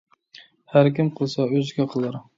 ھەركىم قىلسا ئۆزىگە قىلار.